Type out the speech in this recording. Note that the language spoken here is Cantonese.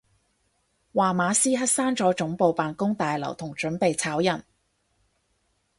話馬斯克閂咗總部辦公大樓同準備炒人